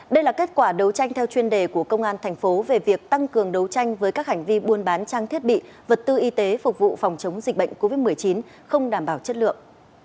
đây là kết quả đấu tranh theo chuyên đề của công an thành phố về việc tăng cường đấu tranh với các hành vi buôn bán trang thiết bị vật tư y tế phục vụ phòng chống dịch bệnh covid một mươi chín không đảm bảo chất lượng